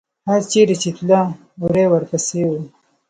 هر چېرې چې تله، وری ورپسې و.